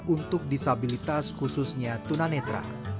untuk disabilitas khususnya tunanetra